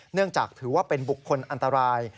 เนื่องจากถือว่าเป็นบุคคลอันตราย